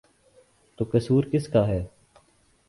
تو قصور کس کا ہے؟